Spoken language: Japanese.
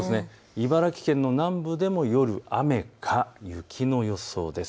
茨城県の南部でも夜、雨か雪の予想です。